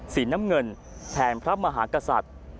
สีน้ำเงินแทนพระมหากษัตริย์